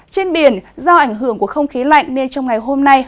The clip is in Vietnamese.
trên biển do ảnh hưởng của không khí lạnh nên trong ngày hôm nay